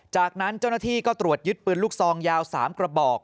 จากนั้นเจ้าหน้าที่ก็ตรวจยึดปืนลูกซองยาว๓กระบอก